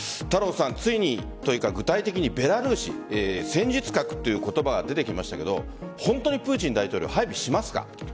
ついにというか具体的にベラルーシ戦術核という言葉が出てきましたけど本当にプーチン大統領配備しますか？